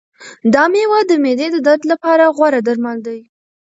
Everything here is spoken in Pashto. دا مېوه د معدې د درد لپاره غوره درمل دی.